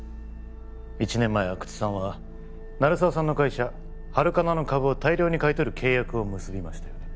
１年前阿久津さんは鳴沢さんの会社ハルカナの株を大量に買い取る契約を結びましたよね